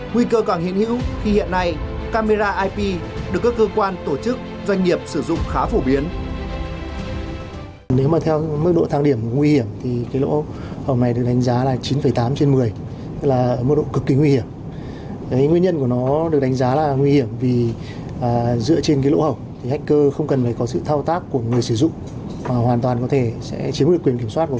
nguy cơ còn hiện hữu khi hiện nay camera ip được các cơ quan tổ chức doanh nghiệp sử dụng khá phổ biến